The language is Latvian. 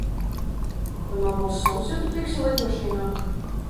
Vai man būs suns, ja tu tiksi lidmašīnā?